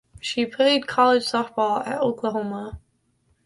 She played college softball at Oklahoma.